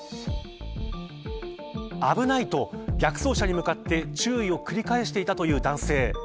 危ない、と逆走車に向かって注意を繰り返したという男性。